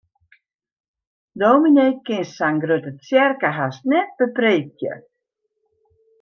Dominy kin sa'n grutte tsjerke hast net bepreekje.